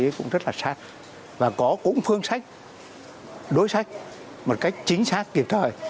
đồng chí cũng rất là sát và có cũng phương sách đối sách một cách chính xác kịp thời